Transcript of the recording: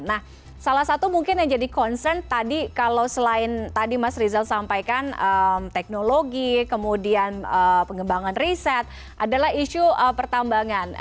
nah salah satu mungkin yang jadi concern tadi kalau selain tadi mas rizal sampaikan teknologi kemudian pengembangan riset adalah isu pertambangan